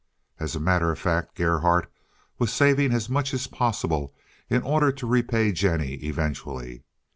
As a matter of fact, Gerhardt was saving as much as possible in order to repay Jennie eventually.